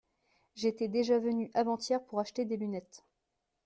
J’étais déjà venu avant-hier pour acheter des lunettes.